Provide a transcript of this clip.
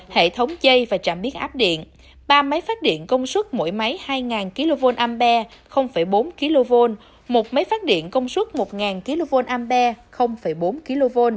hệ thống dây và trạm biến áp điện ba máy phát điện công suất mỗi máy hai kv ambe bốn kv một máy phát điện công suất một kva bốn kv